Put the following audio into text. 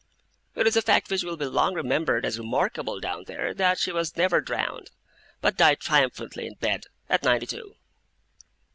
It is a fact which will be long remembered as remarkable down there, that she was never drowned, but died triumphantly in bed, at ninety two.